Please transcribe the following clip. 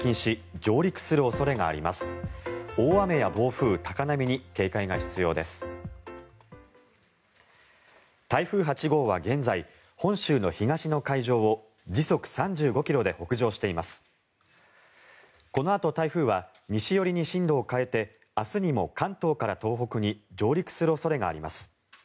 このあと、台風は西寄りに進路を変えて明日にも関東から東北に上陸する恐れがあります。